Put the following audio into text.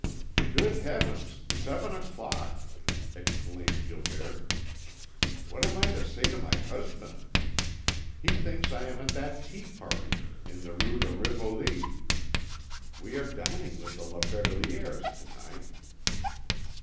"Good heavens, seven o'clock!" exclaimed Gilberte. "What am I to say to my husband? He thinks I am at that tea party in the Rue de Rivoli. We are dining with the La Verdelières to night.